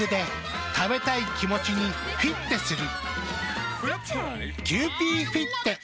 食べたい気持ちにフィッテする。